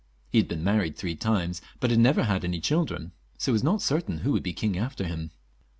He had been married three times, but had never had any children, so that it was not certain who would be king after him.